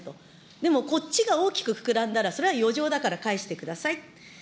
でもこっちが大きく膨らんだら、それは余剰だから返してください。